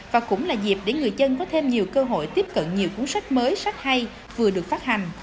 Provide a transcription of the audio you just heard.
và cũng là dịp để người dân có thêm nhiều cơ hội tiếp cận nhiều cuốn sách mới sách hay vừa được phát hành